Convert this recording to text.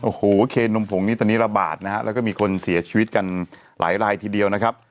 โอ้โหเคนมผงนี้ตอนนี้ระบาดนะฮะแล้วก็มีคนเสียชีวิตกันหลายลายทีเดียวนะครับ